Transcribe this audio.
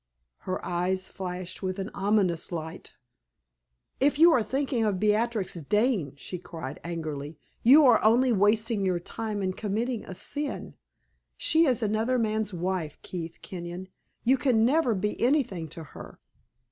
Her eyes flashed with an ominous light. "If you are thinking of Beatrix Dane," she cried, angrily, "you are only wasting your time and committing a sin. She is another man's wife, Keith Kenyon. You can never be anything to her."